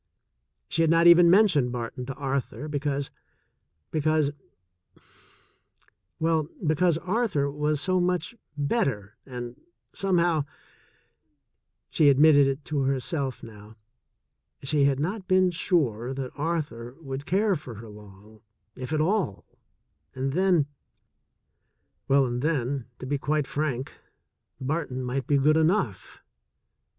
She had not even mentioned Barton to Arthur because — because — well, because Arthur was so much better, and somehow (she admitted it to her self now) she had not been sure that Arthur would care for her long, if at all, and then — well, and then, to be quite frank, Barton might be good enough.